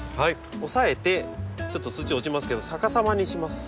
押さえてちょっと土落ちますけど逆さまにします。